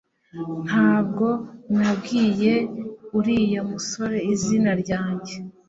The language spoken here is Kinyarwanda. ntabwo nabwiye uriya musore izina ryanjye